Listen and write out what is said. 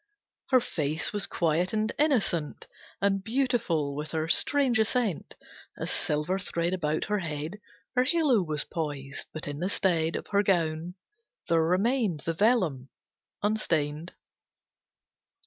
Her face was quiet and innocent, And beautiful with her strange assent. A silver thread about her head Her halo was poised. But in the stead Of her gown, there remained The vellum, unstained.